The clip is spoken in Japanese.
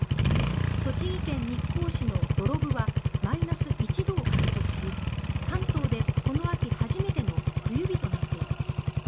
栃木県日光市の土呂部はマイナス１度を観測し関東でこの秋初めての冬日となっています。